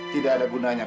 tidak ada gunanya